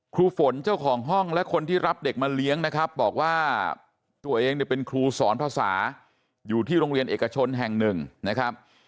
ฝนเจ้าของห้องและคนที่รับเด็กมาเลี้ยงนะครับบอกว่าตัวเองเนี่ยเป็นครูสอนภาษาอยู่ที่โรงเรียนเอกชนแห่งหนึ่งนะครับ